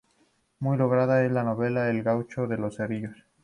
Muy lograda es su novela "El gaucho de los cerrillos".